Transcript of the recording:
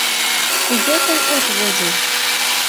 Кузе тый от вожыл?